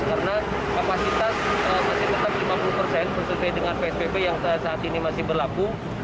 karena kapasitas masih tetap lima puluh persen sesuai dengan pspp yang saat ini masih berlaku